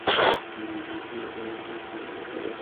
জাপানিরা আমাদের কাছে সরাসরি আসছে।